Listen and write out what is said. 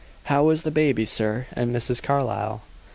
How is the baby, sir, and Mrs. Carlyle?"